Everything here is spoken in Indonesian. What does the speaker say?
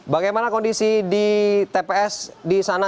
bagaimana kondisi di tps di sana